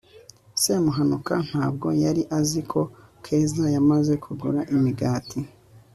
semuhanuka ntabwo yari azi ko keza yamaze kugura imigati